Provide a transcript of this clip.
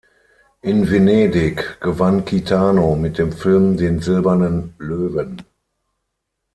In Venedig gewann Kitano mit dem Film den Silbernen Löwen.